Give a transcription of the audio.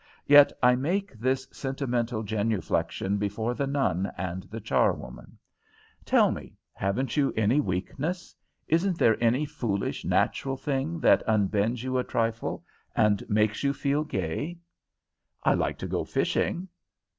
Yet I make this sentimental genuflection before the nun and the charwoman. Tell me, haven't you any weakness? Isn't there any foolish natural thing that unbends you a trifle and makes you feel gay?" "I like to go fishing."